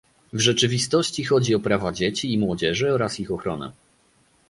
W rzeczywistości chodzi o prawa dzieci i młodzieży oraz ich ochronę